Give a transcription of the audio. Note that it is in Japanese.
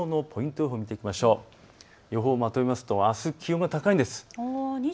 予報、まとめますとあすは気温が高いです。